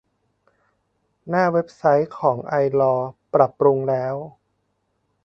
หน้าเว็บไซต์ของไอลอว์ ปรับปรุงแล้ว